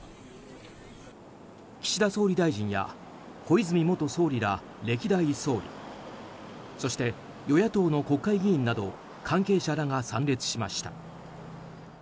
岸田総理大臣や小泉元総理ら歴代総理そして、与野党の国会議員など関係者らが参列しました。